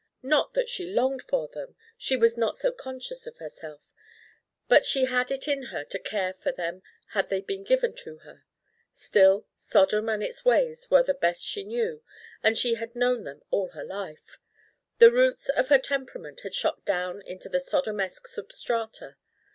Not that she longed for them she was not so conscious of herself but she had it in her to care for them had they been given her. Still, Sodom and its ways were the best she knew and she had known them all her life. The roots of her temperament had shot down into the Sodomesque substrata.